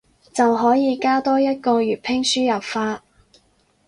就可以加多一個粵拼輸入法